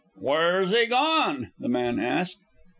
"Where's he gone?" the man asked.